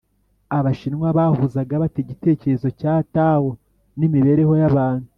abashinwa bahuzaga bate igitekerezo cya tao n’imibereho y’abantu?